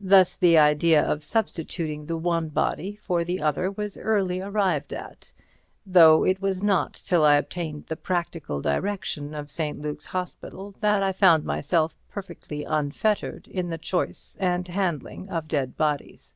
Thus the idea of substituting the one body for the other was early arrived at, though it was not till I obtained the practical direction of St. Luke's Hospital that I found myself perfectly unfettered in the choice and handling of dead bodies.